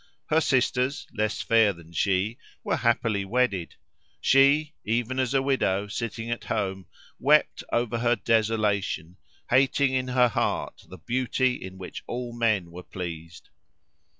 Her sisters, less fair than she, were happily wedded. She, even as a widow, sitting at home, wept over her desolation, hating in her heart the beauty in which all men were pleased.